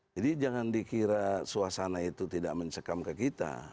jadi jangan dikira suasana itu tidak mencekam ke kita